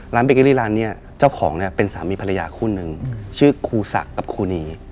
เบเกอรี่ร้านนี้เจ้าของเนี่ยเป็นสามีภรรยาคู่หนึ่งชื่อครูศักดิ์กับครูนี